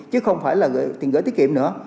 chứ không phải là tiền gửi tiết kiệm nữa